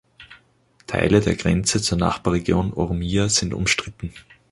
Teile der Grenze zur Nachbarregion Oromia sind umstritten.